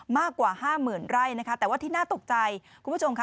มากกว่าห้าหมื่นไร่นะคะแต่ว่าที่น่าตกใจคุณผู้ชมค่ะ